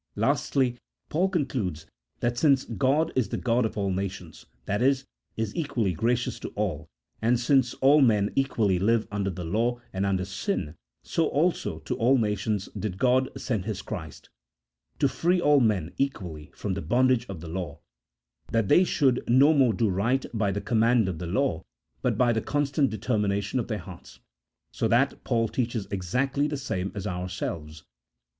Lastly, Paul concludes that since God is the God of all nations, that is, is equally gracious to all, and since all men equally live under the law and under sin, so also to all nations did God send His Christ, to free all men equally from the bondage of the law, that they should no more do right by the command of the law, but by the con stant determination of their hearts. So that Paul teaches exactly the same as ourselves.